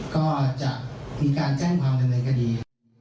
ก็จะมีการแจ้งความเฉยก็ดี